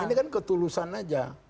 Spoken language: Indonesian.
ini kan ketulusan aja